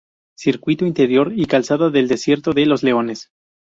Circuito Interior y Calzada del Desierto de los Leones.